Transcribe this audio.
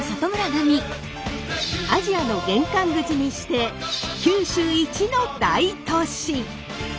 アジアの玄関口にして九州一の大都市。